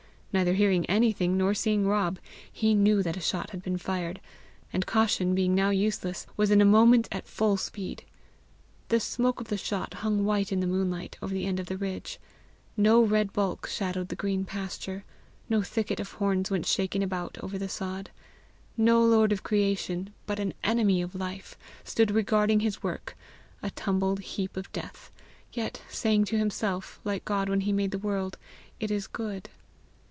Neither hearing anything, nor seeing Rob, he knew that a shot had been fired, and, caution being now useless, was in a moment at full speed. The smoke of the shot hung white in the moonlight over the end of the ridge. No red bulk shadowed the green pasture, no thicket of horns went shaking about over the sod. No lord of creation, but an enemy of life, stood regarding his work, a tumbled heap of death, yet saying to himself, like God when he made the world, "It is good."